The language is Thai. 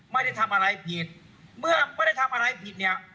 ไม่ได้ทำอะไรผิดเมื่อไม่ได้ทำอะไรผิดเนี่ย